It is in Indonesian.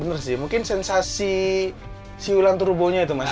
bener sih mungkin sensasi siulang turbo nya itu mas